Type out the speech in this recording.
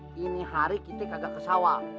ekel ini hari kita kagak ke sawah